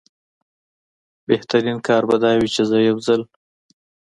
بهترین کار به دا وي چې زه یو ځل.